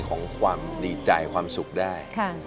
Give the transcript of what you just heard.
ของความดีใจความสุขได้